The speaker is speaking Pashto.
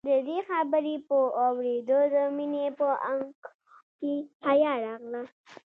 د دې خبرې په اورېدو د مينې په اننګو کې حيا راغله.